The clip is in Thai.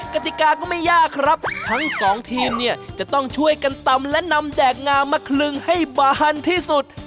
กติกาก็ไม่ยากครับทั้งสองทีมเนี่ยจะต้องช่วยกันตำและนำแดกงามมาคลึงให้บานที่สุด